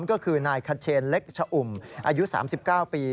ก็คือนายขเชนเล็กชะอุ่มอายุ๓๙ปี